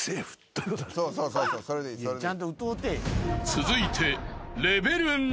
［続いて］